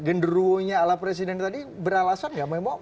genderunya ala presiden tadi beralasan gak